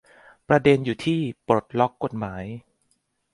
ประเด็นอยู่ที่ปลดล็อกกฎหมาย